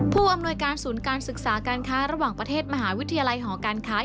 ผู้อำนวยการศูนย์การศึกษาการค้าระหว่างประเทศมหาวิทยาลัยหอการค้า